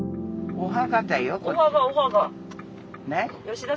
お墓。